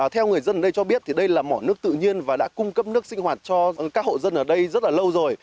theo người dân ở đây cho biết thì đây là mỏ nước tự nhiên và đã cung cấp nước sinh hoạt cho các hộ dân ở đây rất là lâu rồi